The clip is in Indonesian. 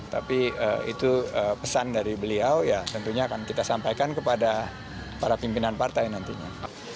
tapi itu pesan dari beliau ya tentunya akan kita sampaikan kepada para pimpinan partai nantinya